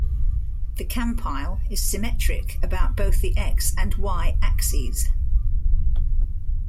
The Kampyle is symmetric about both the "x"- and "y"-axes.